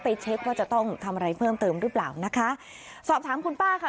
เช็คว่าจะต้องทำอะไรเพิ่มเติมหรือเปล่านะคะสอบถามคุณป้าค่ะ